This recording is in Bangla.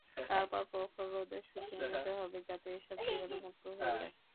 তারপর প্রখর রোদে শুকিয়ে নিতে হবে, যাতে এসব জীবাণুমুক্ত হয়ে যায়।